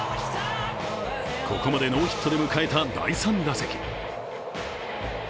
ここまでノーヒットで迎えた第３打席。